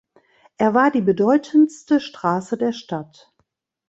Er war die bedeutendste Straße der Stadt.